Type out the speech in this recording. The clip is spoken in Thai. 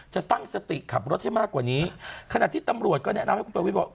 จะตั้งสติขับรถให้มากกว่านี้ขณะที่ตำรวจก็แนะนำให้คุณประวิทย์บอก